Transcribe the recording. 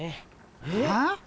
えっ？